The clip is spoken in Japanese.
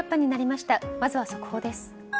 まずは速報です。